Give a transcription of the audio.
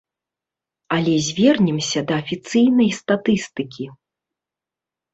Але звернемся да афіцыйнай статыстыкі.